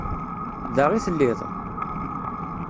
Da i telliḍ?